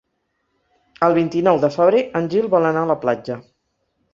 El vint-i-nou de febrer en Gil vol anar a la platja.